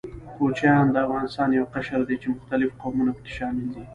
کوچيان د افغانستان يو قشر ده، چې مختلف قومونه پکښې شامل دي.